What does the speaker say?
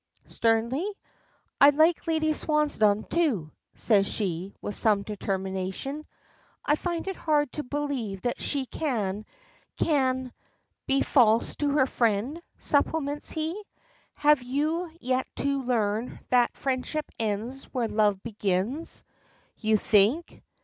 sternly. "I like Lady Swansdown, too," says she, with some determination. "I find it hard to believe that she can can " "Be false to her friend," supplements he. "Have you yet to learn that friendship ends where love begins?" "You think